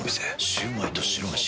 シュウマイと白めし。